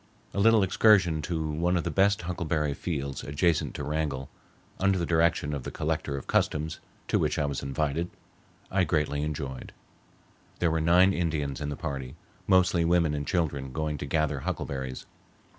A little excursion to one of the best huckleberry fields adjacent to Wrangell, under the direction of the Collector of Customs, to which I was invited, I greatly enjoyed. There were nine Indians in the party, mostly women and children going to gather huckleberries.